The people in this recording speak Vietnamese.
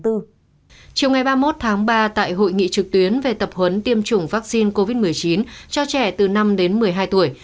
chiều ngày ba mươi một tháng ba tại hội nghị trực tuyến về tập huấn tiêm chủng vaccine covid một mươi chín cho trẻ từ năm đến một mươi hai tuổi